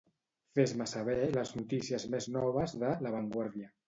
Fes-me saber les notícies més noves de "la Vanguardia".